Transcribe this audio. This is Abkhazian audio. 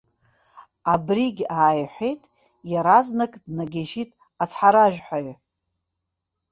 Абригь ааиҳәеит, иаразнак днагьежьит ацҳаражәҳәаҩ.